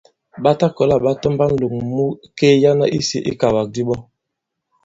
Ɓa ta kɔ̀la ɓa tɔmba ǹlòŋ mu kelyana isī ikàwàkdi ɓɔ.